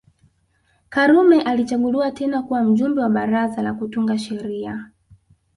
Karume alichaguliwa tena kuwa Mjumbe wa Baraza la Kutunga Sheria